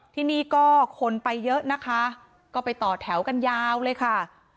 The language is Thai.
ที่นี่ก็คนไปเยอะนะคะก็ไปต่อแถวกันยาวเลยค่ะ